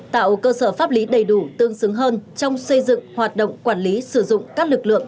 tạo cơ sở pháp lý đầy đủ tương xứng hơn trong xây dựng hoạt động quản lý sử dụng các lực lượng